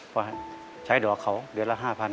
พอใช้ดอกเขาเดือนละ๕๐๐๐บาท